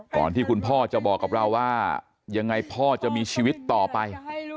ก่อนที่คุณพ่อจะบอกกับเราว่ายังไงพ่อจะมีชีวิตต่อไป